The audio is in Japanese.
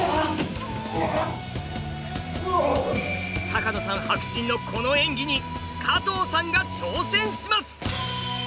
多加野さん迫真のこの演技に加藤さんが挑戦します！